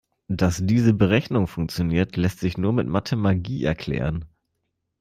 Dass diese Berechnung funktioniert, lässt sich nur mit Mathemagie erklären.